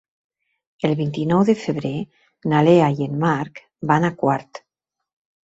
El vint-i-nou de febrer na Lea i en Marc van a Quart.